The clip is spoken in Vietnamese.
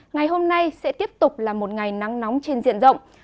ngày hôm nay sẽ tiếp tục là một ngày nắng nóng trên diện rộng